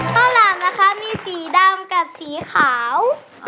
ข้าวหลามนะคะมีสีดำกับสีขาว